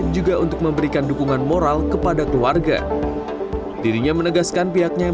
juga untuk memberikan dukungan moral kepada keluarga dirinya menegaskan pihaknya yang